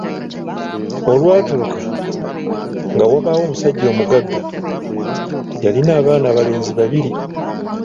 Olwatuuka, nga wabawo omussajja omuggaga, yalina abaana abalenzi babbiri.